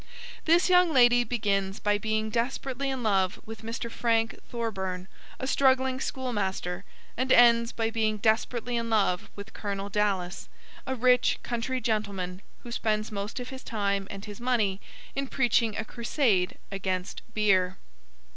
This young lady begins by being desperately in love with Mr. Frank Thorburn, a struggling schoolmaster, and ends by being desperately in love with Colonel Dallas, a rich country gentleman who spends most of his time and his money in preaching a crusade against beer.